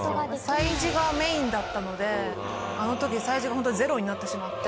催事がメインだったのであの時催事がホントにゼロになってしまって。